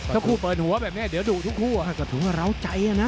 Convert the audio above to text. ถ้าก็ถึงว่าร้าวใจนะ